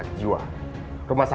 kau tak bisa mencoba